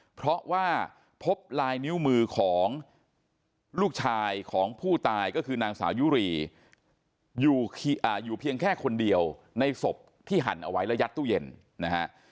เพราะว่าพบลายนิ้วมือของลูกชายของผู้ตายก็คือนางสาวยุรีอยู่เพียงแค่คนเดียวในศพที่หั่นเอาไว้และยัดตู้เย็นนะฮะ